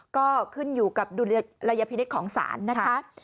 ก็ขึ้นอยู่กับดุลัยพินิษฐ์ของศาลนะคะ